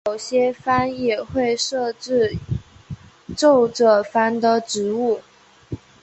某些藩也会设置奏者番的职务。